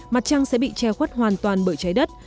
mặt trăng sẽ bị che khuất hoàn toàn bởi trái đất